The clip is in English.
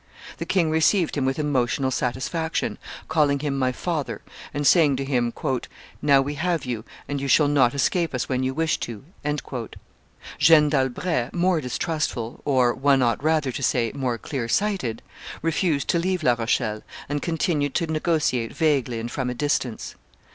The king received him with emotional satisfaction, calling him my father, and saying to him, "Now we have you, and you shall not escape us when you wish to." Jeanne d'Albret, more distrustful, or, one ought rather to say, more clear sighted, refused to leave La Rochelle, and continued to negotiate vaguely and from a distance.